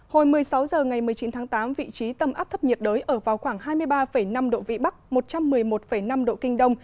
hồi một mươi sáu h ngày một mươi chín tháng tám vị trí tâm áp thấp nhiệt đới ở vào khoảng hai mươi ba năm độ vĩ bắc một trăm một mươi một năm độ kinh đông